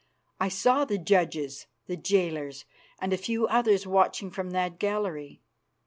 I saw the judges, the jailers, and a few others watching from that gallery.